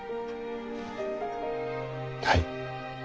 はい。